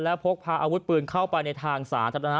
และพกพาการพาอาวุฤปืนเข้าไปในทางศาล